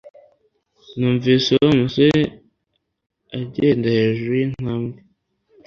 Numvise Wa musore agenda hejuru yintambwe